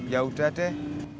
ya udah deh